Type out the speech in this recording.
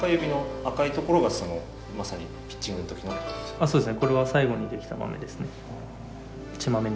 あっそうですね。